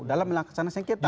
dalam melaksanakan sengketa